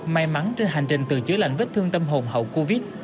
may mắn trên hành trình từ chứa lạnh vết thương tâm hồn hậu covid